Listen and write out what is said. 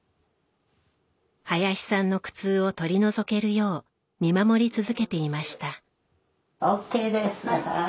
林さんの苦痛を取り除けるよう見守り続けていました。